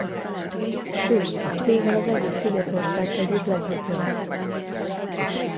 Sőt idővel az egész szigetország egyik legjobbja lett.